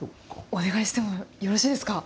お願いしてもよろしいですか。